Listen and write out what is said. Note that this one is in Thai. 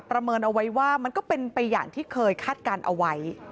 เมินเอาไว้ว่ามันก็เป็นไปอย่างที่เคยคาดการณ์เอาไว้